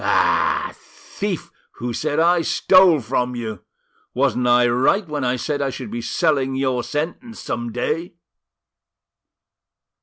Ah! thief who said I stole from you! Wasn't I right when I said I should be selling your sentence some day?"